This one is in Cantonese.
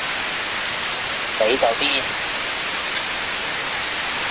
你就癲